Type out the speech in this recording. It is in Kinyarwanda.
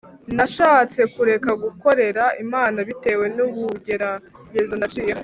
nashatse kureka gukorera imana bitewe n’ibugeragezo naciyemo